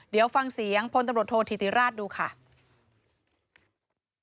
เดี๋ยวฟังเสียงพลตำรวจโทษธิติราชดูค่ะ